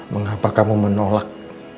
mengapa kamu menolak